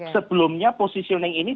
sebelumnya positioning ini